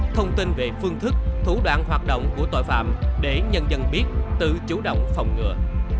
thông tin về phương thức thủ đoạn hoạt động của tội phạm để nhân dân biết tự chủ động phòng ngừa